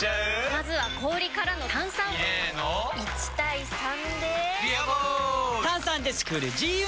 まずは氷からの炭酸！入れの１：３で「ビアボール」！